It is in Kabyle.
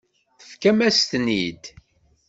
Tefkamt-as-ten-id.